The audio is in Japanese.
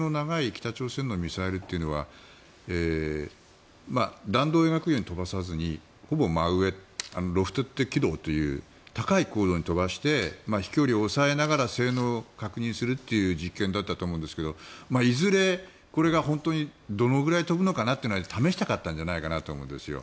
北朝鮮のミサイルというのは弾道を描くように飛ばさずにほぼ真上、ロフテッド軌道という高い高度に飛ばして飛距離を抑えながら性能を確認するという実験だったと思うんですがいずれこれがどのぐらい飛ぶのかというのを試したかったんじゃないのかなと思うんですよ。